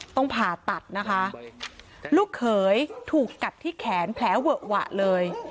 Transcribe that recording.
ต้องผ่าตัดนะคะลูกเขยถูกกัดที่แขนแผลเวอะหวะเลย